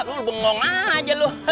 lo bengong aja lo